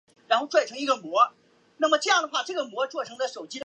将气体注射到血管中将会导致空气栓塞。